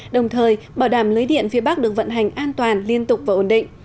đồng thời bảo đảm lưới điện phía bắc được vận hành an toàn liên tục và ổn định